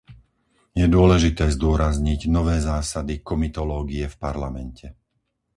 Je dôležité zdôrazniť nové zásady komitológie v Parlamente.